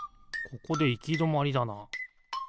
ここでいきどまりだな。